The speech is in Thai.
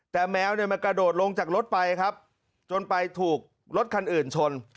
แต่แมวมันกระโดดลงจากรถไปจนไปถูกรถคันอื่นชน